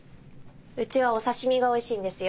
うちはお刺身がおいしいんですよ。